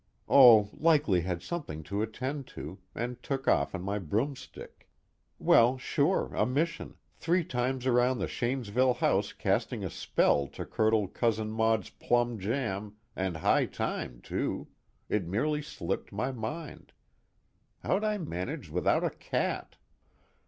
_Oh, likely had something to attend to, and took off on my broomstick well, sure, a mission, three times around the Shanesville house casting a spell to curdle Cousin Maud's plum jam, and high time too it merely slipped my mind how'd I manage without a cat?